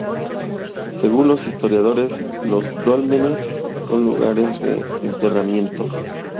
Según los historiadores, los dólmenes son lugares de enterramiento.